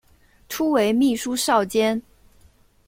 初为秘书少监。